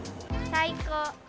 最高！